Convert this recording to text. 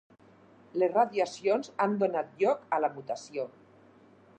Les radiacions han donat lloc a la mutació.